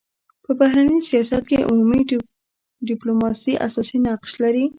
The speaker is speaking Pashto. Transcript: په بهرني سیاست کي عمومي ډيپلوماسي اساسي نقش لري.